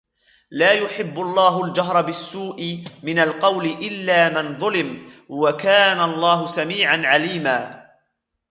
لَا يُحِبُّ اللَّهُ الْجَهْرَ بِالسُّوءِ مِنَ الْقَوْلِ إِلَّا مَنْ ظُلِمَ وَكَانَ اللَّهُ سَمِيعًا عَلِيمًا